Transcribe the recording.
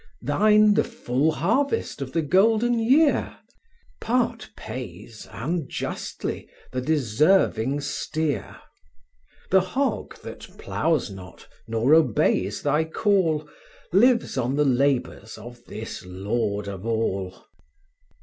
Thine the full harvest of the golden year? Part pays, and justly, the deserving steer: The hog, that ploughs not nor obeys thy call, Lives on the labours of this lord of all.